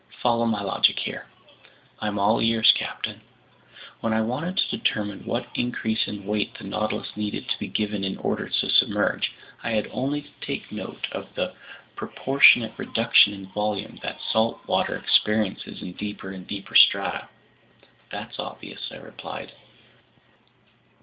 Follow my logic here." "I'm all ears, captain." "When I wanted to determine what increase in weight the Nautilus needed to be given in order to submerge, I had only to take note of the proportionate reduction in volume that salt water experiences in deeper and deeper strata." "That's obvious," I replied.